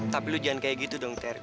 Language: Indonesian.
tapi lu jangan kayak gitu dong terk